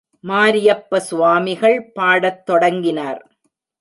மாரியப்ப சுவாமிகள் பாடத் தொடங்கினார்.